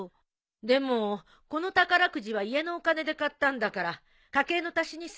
でもこの宝くじは家のお金で買ったんだから家計の足しにするわよ。